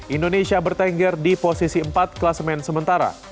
indonesia bertengger di posisi empat kelas main sementara